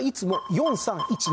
４３１２。